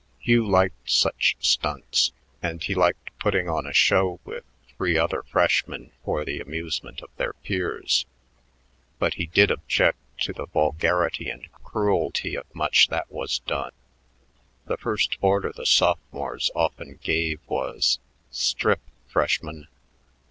Hugh liked such "stunts," and he liked putting on a show with three other freshmen for the amusement of their peers, but he did object to the vulgarity and cruelty of much that was done. The first order the sophomores often gave was, "Strip, freshman."